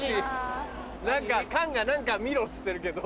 何か菅が何か見ろっつってるけど。